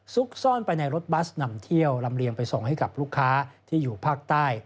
ซุกซ่อนไปในรถบัสนำเที่ยวลำเลียงไปส่งให้กับลูกค้าที่อยู่ภาคใต้